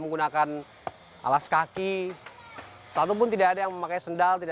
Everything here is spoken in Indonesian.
tempat yang lebih gale lupa tolong romp predicted